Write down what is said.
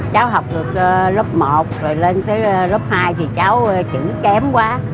cháu học được lớp một rồi lên tới lớp hai thì cháu chữ kém quá